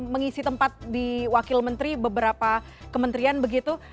mengisi tempat di wakil menteri beberapa kementerian begitu